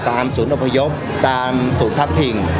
ตามศูนย์อมพยพตามศูนย์พักกันเพิ่ม